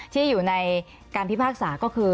ที่อยู่ในการพิพากษาก็คือ